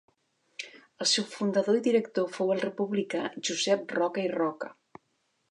El seu fundador i director fou el republicà Josep Roca i Roca.